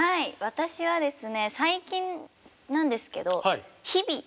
私はですね最近なんですけど「日々」。